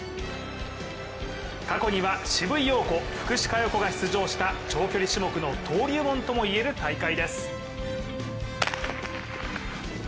過去には、渋井陽子、福士加代子が出場した長距離種目の登竜門ともいえる大会です。